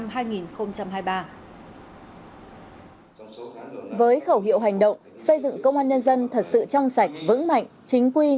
với khẩu hiệu hành động xây dựng công an nhân dân thật sự trong sạch vững mạnh chính quy